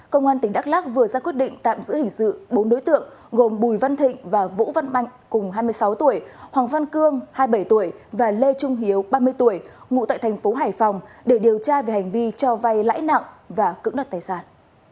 công an tỉnh đắk lắc vừa ra quyết định tạm giữ hình sự bốn đối tượng gồm bùi văn thịnh và vũ văn mạnh cùng hai mươi sáu tuổi hoàng văn cương hai mươi bảy tuổi và lê trung hiếu ba mươi tuổi ngụ tại thành phố hải phòng để điều tra về hành vi cho vay lãi nặng và cưỡng đoạt tài sản